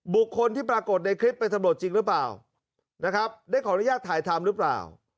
บุคคลที่ปรากฏในคลิปเป็นตำรวจจริงหรือเปล่านะครับได้ขออนุญาตถ่ายทำหรือเปล่า